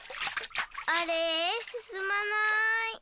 あれすすまない。